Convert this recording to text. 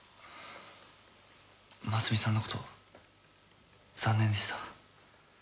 真澄さんのこと残念でした。